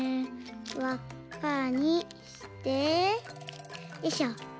わっかにしてよいしょペタッ。